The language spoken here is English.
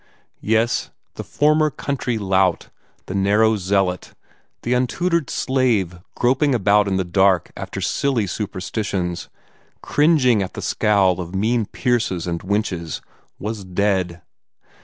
Yes; the former country lout, the narrow zealot, the untutored slave groping about in the dark after silly superstitions, cringing at the scowl of mean Pierces and Winches, was dead.